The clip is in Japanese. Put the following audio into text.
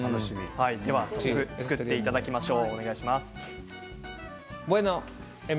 早速作っていただきましょう。